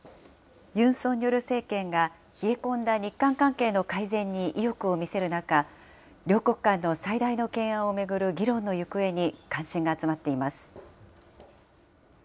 ユン・ソンニョル政権が、冷え込んだ日韓関係の改善に意欲を見せる中、両国間の最大の懸案を巡る議論の行方に関心が集まっています。